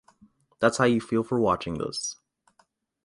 That’s how you feel watching this.